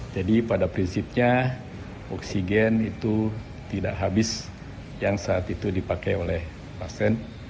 jadi pada prinsipnya oksigen itu tidak habis yang saat itu dipakai oleh pasien